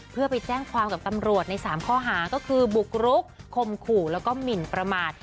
เพื่อไปแจ้งความกับตำรวจใน๓ข้อหาก็คือบุกรุกคมขู่แล้วก็หมินประมาท